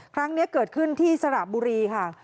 ครั้งนี้เกิดขึ้นที่สระบุรีค่ะ